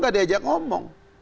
nggak di ajak ngomong